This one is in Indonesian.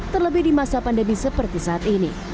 terlebih di masa pandemi seperti saat ini